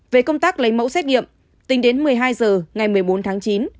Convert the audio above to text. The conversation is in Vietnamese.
về công tác lấy mẫu xét nghiệm tính đến một mươi hai h ngày một mươi bốn tháng chín